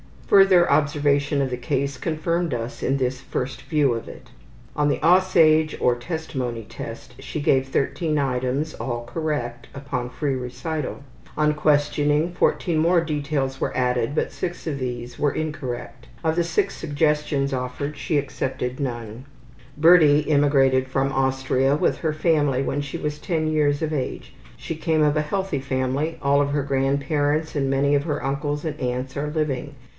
Further observation of the case confirmed us in this first view of it. On the ``Aussage'' or Testimony Test she gave 13 items, all correct, upon free recital. On questioning, 14 more details were added, but 6 of these were incorrect. Of the 6 suggestions offered she accepted none. Birdie immigrated from Austria with her family when she was 10 years of age. She came of a healthy family; all of her grandparents and many of her uncles and aunts are living.